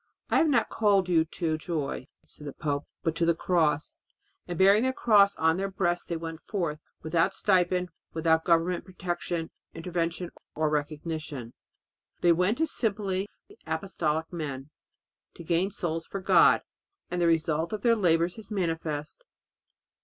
"I have not called you to joy," said the pope, "but to the Cross," and bearing the cross on their breasts they went forth, without stipend, without government protection, intervention or recognition. They went as simply apostolic men to gain souls to God and the result of their labours is manifest.